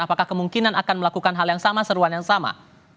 apakah kemungkinan akan melakukan hal yang sama seruan yang sama